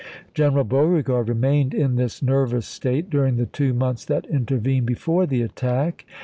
General Beauregard remained in this nervous state during the two months that intervened before the attack.